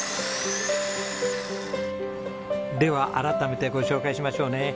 では改めてご紹介しましょうね。